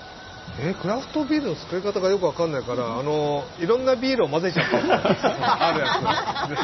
クラフトビールの作り方がよく分からないからいろんなビールを混ぜちゃったり。